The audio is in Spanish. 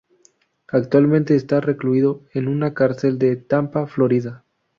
Actualmente esta recluido en una cárcel de Tampa, Florida.